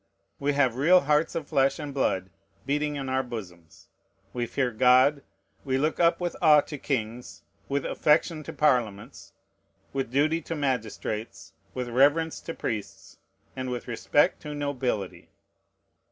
We have real hearts of flesh and blood beating in our bosoms. We fear God; we look up with awe to kings, with affection to Parliaments, with duty to magistrates, with reverence to priests, and with respect to nobility.